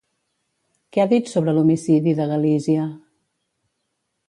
Què ha dit sobre l'homicidi de Galizia?